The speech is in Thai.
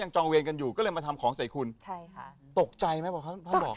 จคริมทร์ตกใจค่ะ